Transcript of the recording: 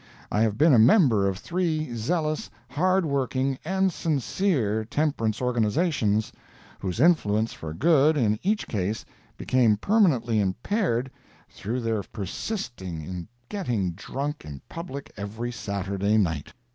I have been a member of three zealous, hard working, and sincere temperance organizations, whose influence for good, in each case, became permanently impaired through their persisting in getting drunk in public every Saturday night.